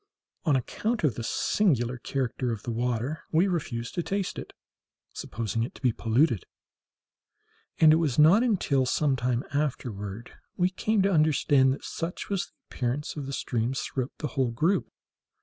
On account of the singular character of the water, we refused to taste it, supposing it to be polluted; and it was not until some time afterward we came to understand that such was the appearance of the streams throughout the whole group.